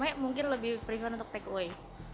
kalau ramai mungkin lebih peringat untuk take away